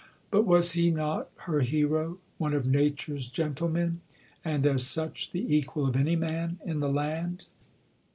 But was he not her hero, one of "Nature's gentlemen," and as such the equal of any man in the land?